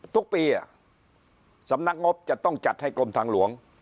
ทุกปีสำนักงบจะต้องจัดให้กรมทางหลวง